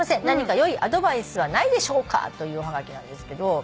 何かよいアドバイスはないでしょうか」というおはがきなんですけど。